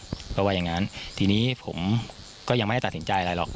เพราะว่าอย่างนั้นทีนี้ผมก็ยังไม่ได้ตัดสินใจอะไรหรอก